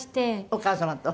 お母様と？